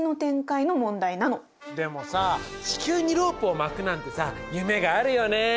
でもさ地球にロープを巻くなんてさ夢があるよね。